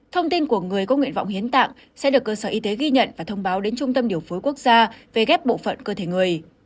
thông tin của người có nguyện vọng hiến tạng sẽ được cơ sở y tế ghi nhận và thông báo đến trung tâm điều phối quốc gia về ghép bộ phận cơ thể người